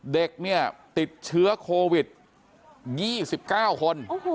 เด็กเนี่ยติดเชื้อโควิด๒๙คน